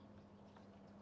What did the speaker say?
menjadi kemampuan anda